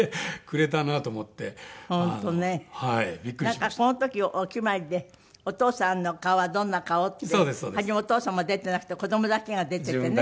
なんかこの時お決まりで「お父さんの顔はどんな顔？」って初めお父様出てなくて子どもだけが出ててね。